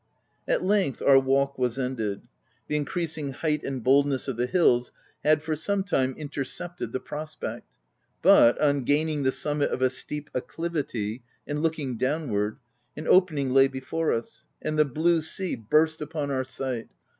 At length our walk was ended. The increas ing height and boldness of the hills had for some time intercepted the prospect ; but, on gaining the summit of a steep acclivity, and looking downward, an opening lay before us — ?»nd the blue sea burst upon our sight